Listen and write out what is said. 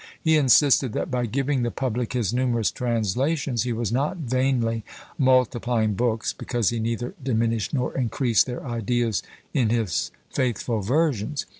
He insisted that by giving the public his numerous translations, he was not vainly multiplying books, because he neither diminished nor increased their ideas in his faithful versions.